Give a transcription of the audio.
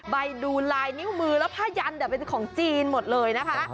ไปดูลายนิ้วมือแล้วผ้ายันเป็นของจีนหมดเลยนะคะ